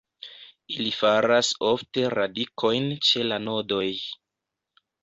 Ili faras ofte radikojn ĉe la nodoj.